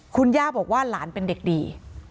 คุณย่าบอกว่าหลานเป็นเด็กดี